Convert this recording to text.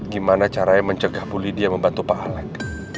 gimana caranya mencegah bu lydia membantu pak alex